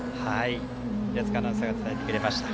平塚アナウンサーが伝えてくれました。